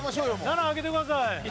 ７開けてください。